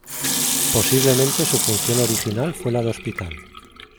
Posiblemente su función original fue la de hospital.